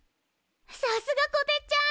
さすがこてっちゃん！